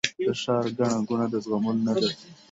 د ښار ګڼه ګوڼه د زغملو نه ده